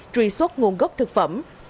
truy xuất nguồn gốc thực phẩm